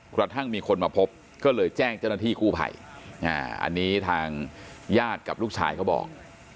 กระทั่งมีคนมาพบก็เลยแจ้งเจ้าหน้าที่กู้ภัยอันนี้ทางญาติกับลูกชายเขาบอก